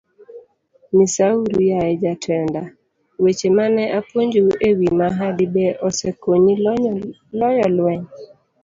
Nyisauru, yaye jatenda, weche ma ne apuonjou e wi mahadi, be osekonyi loyo lweny?